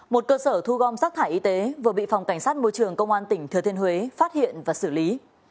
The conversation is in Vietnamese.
một cơ sở thu gom rác thải y tế vừa bị phòng cảnh sát môi trường công an tỉnh thừa thiên huế phát hiện và xử lý